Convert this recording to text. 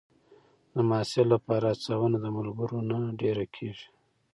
د محصل لپاره هڅونه د ملګرو نه ډېره کېږي.